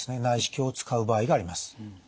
内視鏡を使う場合があります。